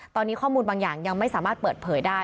ตอนนี้ข้อมูลบางอย่างยังไม่สามารถเปิดเผยได้